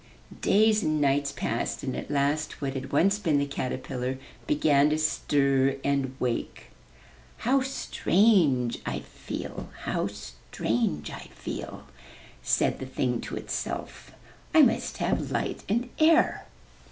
Days and nights passed and at last what had once been the caterpillar began to stir and wake. '*How strange I feel! How strange I feel!*' said the thing to itself. '1 must have light and air.